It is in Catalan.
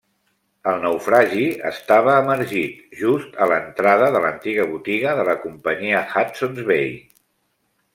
El naufragi estava emergit, just a l'entrada de l'antiga botiga de la companyia Hudson's Bay.